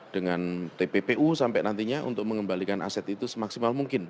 dengan tppu sampai nantinya untuk mengembalikan aset itu semaksimal mungkin